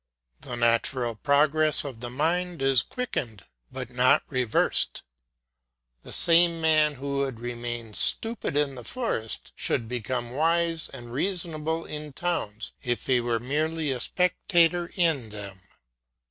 The natural progress of the mind is quickened but not reversed. The same man who would remain stupid in the forests should become wise and reasonable in towns, if he were merely a spectator in them.